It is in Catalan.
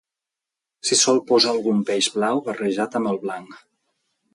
s'hi sol posar algun peix blau barrejat amb el blanc